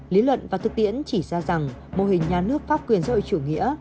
lý luận và thực tiễn chỉ ra rằng mô hình nhà nước pháp quyền sở chủ nghĩa